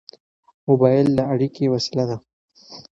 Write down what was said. موبایل د اړیکې وسیله ده.